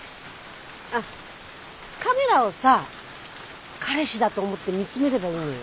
あっカメラをさ彼氏だと思って見つめればいいのよ。